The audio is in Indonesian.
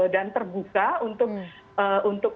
dan terbuka untuk